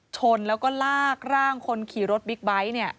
ชนแล้วก็ลากร่างคนขี่รถบิ๊กไบท์เนี่ย